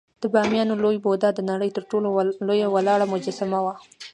د بامیانو لوی بودا د نړۍ تر ټولو لوی ولاړ مجسمه وه